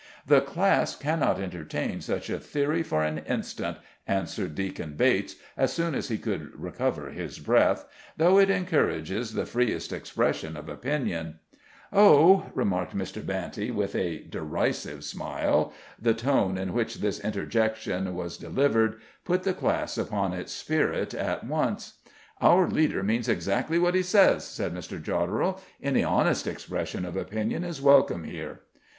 "The class cannot entertain such a theory for an instant," answered Deacon Bates, as soon as he could recover his breath, "though it encourages the freest expression of opinion." "Oh!" remarked Mr. Banty, with a derisive smile. The tone in which this interjection was delivered put the class upon its spirit at once. "Our leader means exactly what he says," said Mr. Jodderel; "any honest expression of opinion is welcome here."